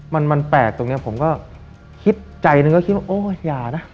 มันมันแปลกตรงนี้ผมก็คิดใจหนึ่งก็คิดว่าโอ้ยอย่านะ